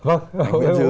anh nguyễn dương